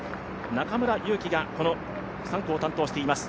中村優希がこの３区を担当しています。